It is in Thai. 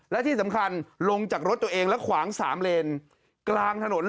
และที่สำคัญลงจากรถตัวเองแล้วขวางสามเลนกลางถนน